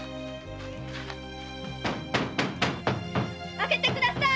開けてください。